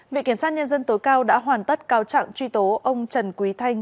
viện kiểm soát nhân dân tối cao đã hoàn tất cao trạng truy tố ông trần quý thanh